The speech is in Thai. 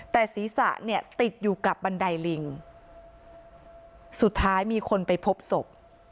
แต่ศีรษะเนี่ยติดอยู่กับบันไดลิงสุดท้ายมีคนไปพบศพ